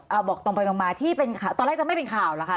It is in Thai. เอาบอกตรงไปตรงมาที่เป็นข่าวตอนแรกจะไม่เป็นข่าวหรอกค่ะ